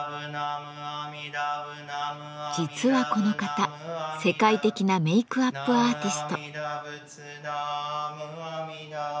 実はこの方世界的なメークアップアーティスト。